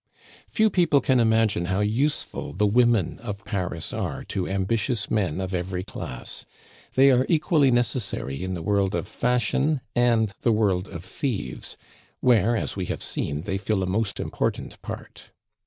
Few people can imagine how useful the women of Paris are to ambitious men of every class; they are equally necessary in the world of fashion and the world of thieves, where, as we have seen, they fill a most important part.